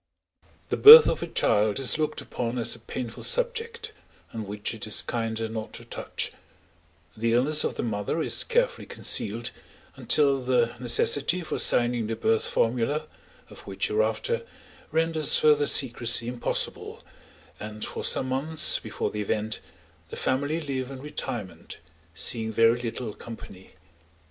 The birth of a child is looked upon as a painful subject on which it is kinder not to touch: the illness of the mother is carefully concealed until the necessity for signing the birth formula (of which hereafter) renders further secrecy impossible, and for some months before the event the family live in retirement, seeing very little company.